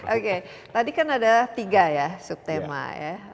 oke tadi kan ada tiga ya subtema ya